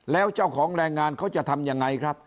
แล้วเจ้าของแรงงานเขาจะทำยังไงครับ